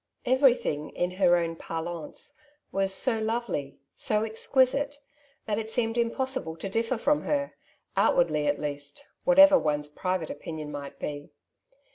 Everything in her own 'parlance was " so lovely,^' ^^ so exquisite,^* that it seemed impossible to differ from her, outwardly at least, whatever one's private opinion might be.